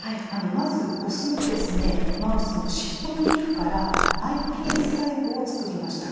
まずオスのマウスの尻尾の皮膚からｉＰＳ細胞を作りました。